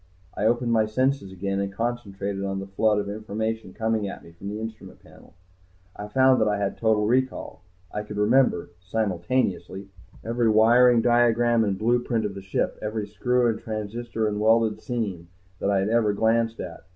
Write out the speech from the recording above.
I opened my senses again and concentrated on the flood of information coming at me from the instrument panel. I found that I had total recall, I could remember simultaneously every wiring diagram and blueprint of the ship, every screw and transistor and welded seam, that I had ever glanced at.